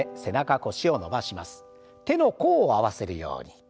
手の甲を合わせるように。